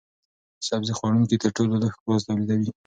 سبزي خوړونکي تر ټولو لږ ګاز تولیدوي.